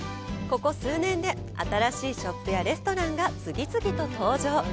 ここ数年で新しいショップやレストランが次々と登場。